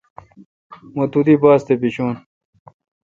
م تو دی باس تہ بیشون۔